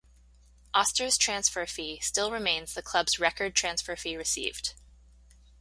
Oster's transfer fee still remains the club's record transfer fee received.